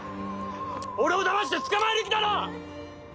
俺をだまして捕まえる気だろ！